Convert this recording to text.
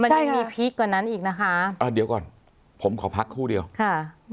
มันยังมีพีคกว่านั้นอีกนะคะอ่าเดี๋ยวก่อนผมขอพักคู่เดียวค่ะ